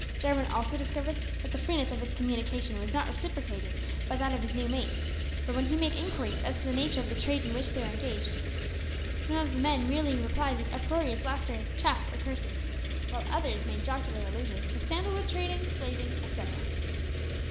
Jarwin also discovered that the freeness of his communication was not reciprocated by his new mates, for when he made inquiries as to the nature of the trade in which they were engaged, some of the men merely replied with uproarious laughter, chaff, or curses, while others made jocular allusions to sandal wood trading, slaving, etcetera.